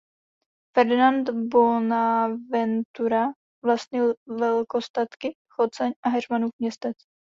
Ferdinand Bonaventura vlastnil velkostatky Choceň a Heřmanův Městec.